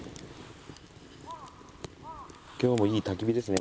今日もいい焚き火ですね